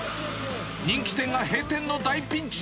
人気店が閉店の大ピンチ。